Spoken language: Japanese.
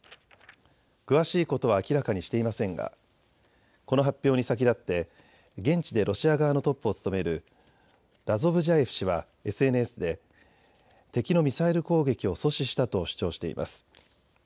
詳しいことは明らかにしていませんが、この発表に先立って現地でロシア側のトップを務めるラズボジャエフ氏はＳＮＳで敵のミサイル攻撃を阻止したと主張しています。